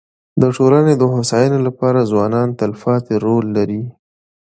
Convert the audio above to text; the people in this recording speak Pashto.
د ټولني د هوسايني لپاره ځوانان تلپاتي رول لري.